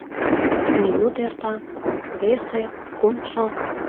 Минут эрта, весе, кумшо.